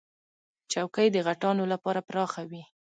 چوکۍ د غټانو لپاره پراخه وي.